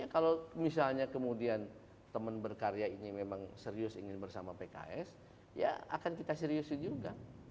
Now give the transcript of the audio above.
kalau misalnya kemudian teman berkarya ini memang serius ingin bersama pks ya akan kita seriusin juga